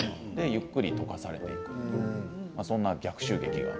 ゆっくり溶かされていくというそんな逆襲劇が。